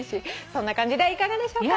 そんな感じでいかがでしょうか？